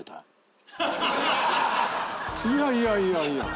いやいやいやいや！